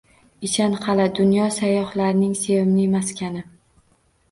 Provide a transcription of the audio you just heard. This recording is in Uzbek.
Ichan qal’a – dunyo sayyohlarining sevimli maskani